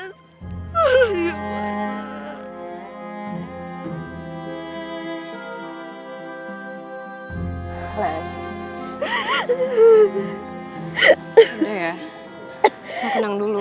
kau tenang dulu